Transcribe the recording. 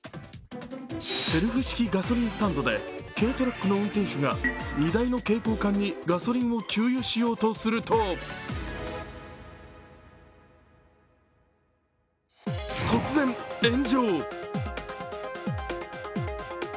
セルフ式ガソリンスタンドで軽トラックの運転手が荷台の携行缶にガソリンを給油しようとすると突然、炎上。